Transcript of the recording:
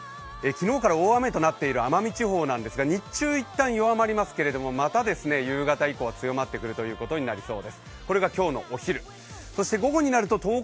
昨日から大雨となっている奄美地方なんですが、日中、一旦弱まりますけど、また夕方以降、強まってくるということになりそうです。